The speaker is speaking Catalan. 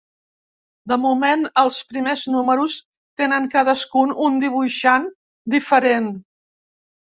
De moment els primers números tenen cadascun un dibuixant diferent.